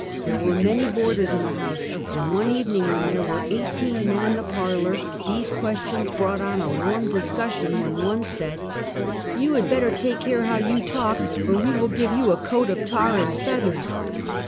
There were many boarders in the house, and one evening when there were eigliteen men in the parlor, these questions brought on a warm discussion, when one said :" You had better take care how you talk, or we will give you a coat of tar and feathers."